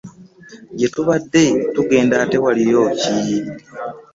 Gye tubadde tugenda ate waliyo ki?